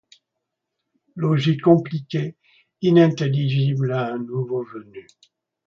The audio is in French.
Logis compliqué, inintelligible à un nouveau venu.